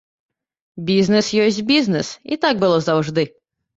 Бізнес ёсць бізнес, і так было заўжды.